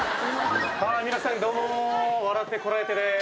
皆さんどうも『笑ってコラえて！』です。